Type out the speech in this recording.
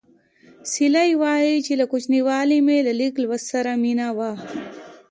سیلۍ وايي چې له کوچنیوالي مې له لیک لوست سره مینه وه